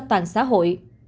toàn xã hội